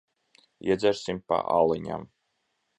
Iedzersim pa aliņam.